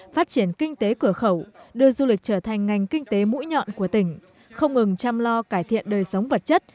phát triển kinh tế cửa khẩu đưa du lịch trở thành ngành kinh tế mũi nhọn của tỉnh không ngừng chăm lo cải thiện đời sống vật chất